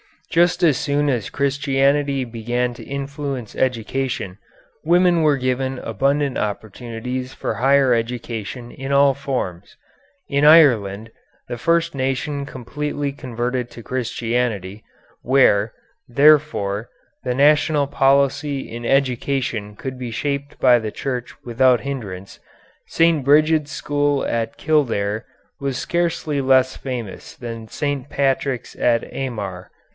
Just as soon as Christianity began to influence education, women were given abundant opportunities for higher education in all forms. In Ireland, the first nation completely converted to Christianity, where, therefore, the national policy in education could be shaped by the Church without hindrance, St. Brigid's school at Kildare was scarcely less famous than St. Patrick's at Armagh.